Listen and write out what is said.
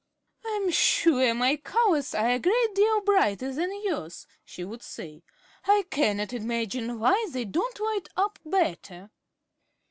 "I am sure my colors are a great deal brighter than yours," she would say; "I cannot imagine why they don't light up better."